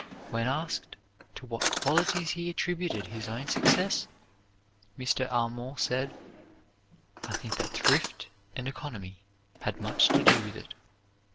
When asked to what qualities he attributed his own success, Mr. Armour said: "I think that thrift and economy had much to do with it.